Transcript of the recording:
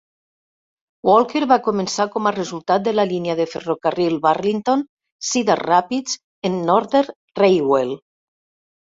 Walker va començar com a resultat de la línia de ferrocarril Burlington, Cedar Rapids and Northern Railway.